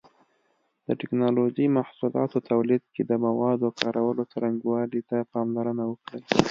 د ټېکنالوجۍ محصولاتو تولید کې د موادو کارولو څرنګوالي ته پاملرنه وکړئ.